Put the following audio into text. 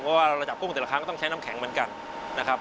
เพราะว่าเราจับกุ้งแต่ละครั้งก็ต้องใช้น้ำแข็งเหมือนกันนะครับ